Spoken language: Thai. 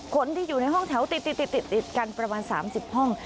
คนที่อยู่ในห้องแถวติดติดติดกันประมาณสามสิบห้อง